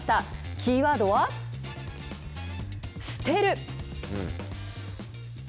キーワードは、捨てる。